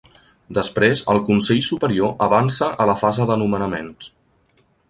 Després, el Consell Superior avança a la fase de nomenaments.